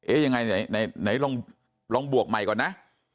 เอ๊ะยังไงไหนลองลองบวกใหม่ก่อนนะ